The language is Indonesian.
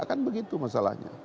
kan begitu masalahnya